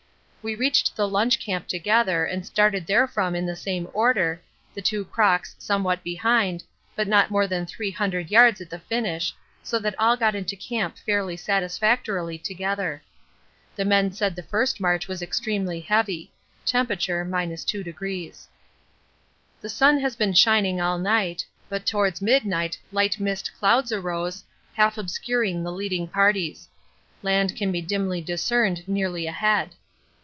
We reached the lunch camp together and started therefrom in the same order, the two crocks somewhat behind, but not more than 300 yards at the finish, so we all got into camp very satisfactorily together. The men said the first march was extremely heavy (T. ( 2°). The sun has been shining all night, but towards midnight light mist clouds arose, half obscuring the leading parties. Land can be dimly discerned nearly ahead.